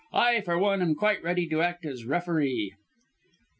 I, for one, am quite ready to act as referee."